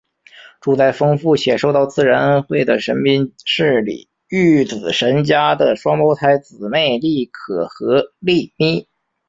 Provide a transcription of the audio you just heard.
住在丰富且受到自然恩惠的神滨市里御子神家的双胞胎姊妹莉可和莉咪。